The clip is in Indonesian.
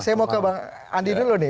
saya mau ke bang andi dulu nih